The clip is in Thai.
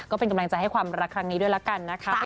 ก็เป็นกำลังใจให้ความรักครั้งนี้ด้วยละกันนะคะ